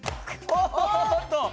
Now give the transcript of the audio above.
おっと！